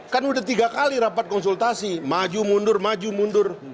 kan udah tiga kali rapat konsultasi maju mundur maju mundur